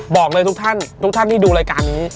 บอกเลยทุกท่านที่ดุรายการนี้